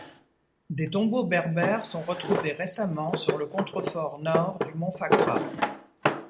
Des tombeaux Berbères sont retrouvés récemment sur le contrefort nord du mont Fakhra.